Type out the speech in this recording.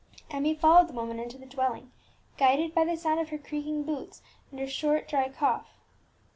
Emmie followed the woman into the dwelling, guided by the sound of her creaking boots and her short dry cough.